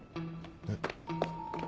えっ？